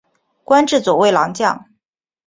官至左卫郎将。